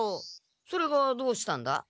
それがどうしたんだ？